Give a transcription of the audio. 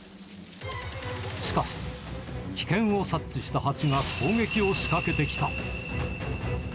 しかし、危険を察知したハチが攻撃を仕掛けてきた。